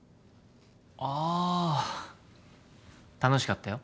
ああ楽しかったよ。